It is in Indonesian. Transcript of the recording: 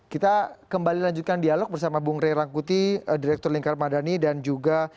kita kembali lanjutkan dialog bersama bung rey rangkuti direktur lingkar madani dan juga